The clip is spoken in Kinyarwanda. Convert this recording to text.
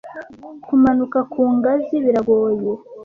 kumanuka ku ngazi biragoye